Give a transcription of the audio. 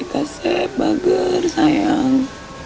kasih bahagia sayang